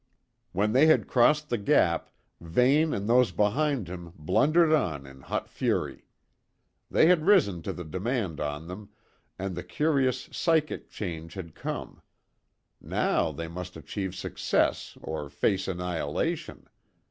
When they had crossed the gap, Vane and those behind him blundered on in hot fury. They had risen to the demand on them, and the curious psychic change had come; now they must achieve success or face annihilation.